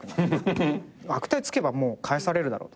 悪態つけばもう帰されるだろう。